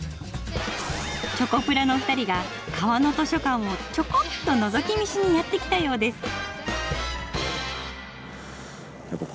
チョコプラの２人が川の図書館をチョコっとのぞき見しにやって来たようです。